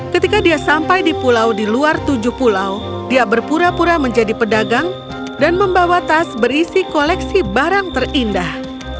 ketika dia sampai di pulau di luar tujuh pulau dia berpura pura menjadi pedagang dan membawa tas berisi koleksi barang terindah